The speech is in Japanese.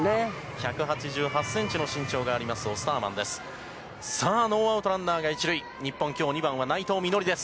１８８センチの身長があります、オスターマンです。